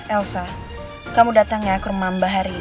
elsa kamu datang ya ke rumah mba hari ini jam lima